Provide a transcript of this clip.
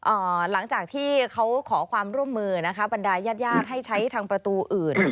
หลังจากที่เขาขอความร่วมมือนะคะบรรดายญาติญาติให้ใช้ทางประตูอื่น